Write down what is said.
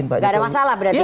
nggak ada masalah berarti